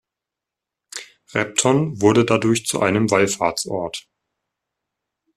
Repton wurde dadurch zu einem Wallfahrtsort.